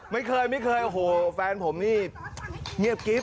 ไม่เคยไม่เคยโอ้โหแฟนผมนี่เงียบกิ๊บ